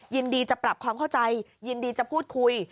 ยินดีจะปรับความเข้าใจยินดีจะพูดคุย